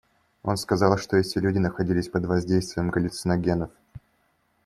Он сказал, что эти люди находились под воздействием галлюциногенов.